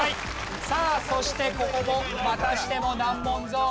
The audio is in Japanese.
さあそしてここもまたしても難問ゾーン。